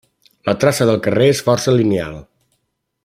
La traça del carrer és força lineal.